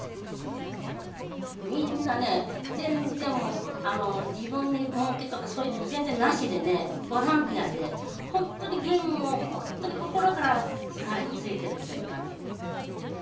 みんなね全然もう自分のもうけとかそういうの全然なしでねボランティアで本当に『ゲン』を本当に心から好いているという感じ。